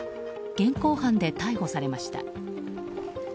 現行犯で逮捕されました。